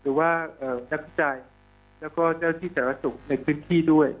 หรือว่านักวิจัยแล้วก็เจ้าที่สารสุขในพื้นที่ด้วย